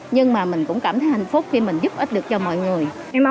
nhưng mà mình cũng cảm thấy hạnh phúc khi mình giúp ích được cho mọi người